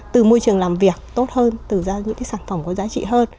từ môi trường làm việc tốt hơn từ ra những cái sản phẩm có giá trị hơn